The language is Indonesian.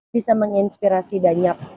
bisa menginspirasi banyak